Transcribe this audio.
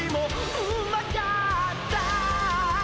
「うまかった」